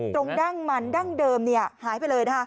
ตรงด้างมันด้างเดิมหายไปเลย